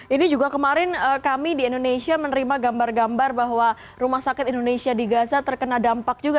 ini juga kemarin kami di indonesia menerima gambar gambar bahwa rumah sakit indonesia di gaza terkena dampak juga